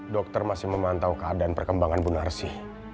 dokter masih memantau keadaan perkembangan bu narsi